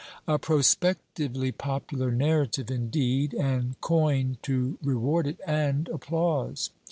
A prospectively popular narrative indeed! and coin to reward it, and applause.